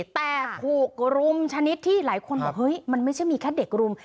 แต่ถูกรุมชนิดที่หลายคนบอกเฮ้ยมันไม่ใช่มีแค่เด็กรุม